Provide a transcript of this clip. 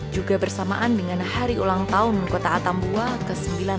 juga bersamaan dengan hari ulang tahun kota atambua ke sembilan belas